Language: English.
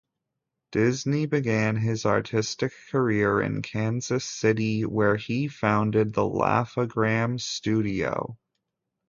Disney began his artistic career in Kansas City, where he founded the Laugh-O-Gram Studio.